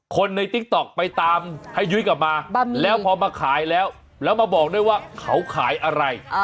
ในติ๊กต๊อกไปตามให้ยุ้ยกลับมาแล้วพอมาขายแล้วแล้วมาบอกด้วยว่าเขาขายอะไร